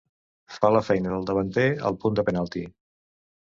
Fa la feina del davanter al punt de penalti.